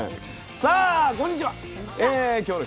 さあこんにちは。